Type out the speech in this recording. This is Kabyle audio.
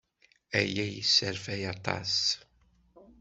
Aya yesserfay aṭas.